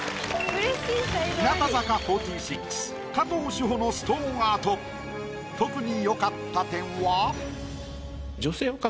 日向坂４６加藤史帆のストーンアート特に。